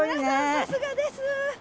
さすがです！